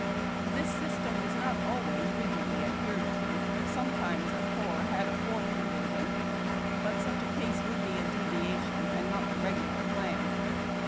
This system was not always rigidly adhered to. Sometimes a corps had a fourth divis 254 IIAIU) TACK AND COFFEE. ioii, but such a case would be a deviation, and not the regular plan.